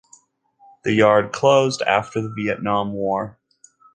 The Yard closed after the Vietnam War.